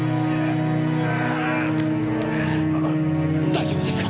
大丈夫ですか！？